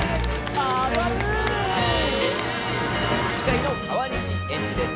し会の川西エンジです。